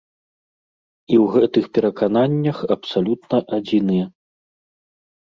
І ў гэтых перакананнях абсалютна адзіныя.